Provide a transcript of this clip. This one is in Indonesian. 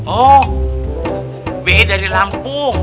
oh be dari lampung